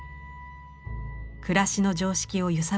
暮らしの常識を揺さぶります。